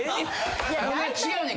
違うねん。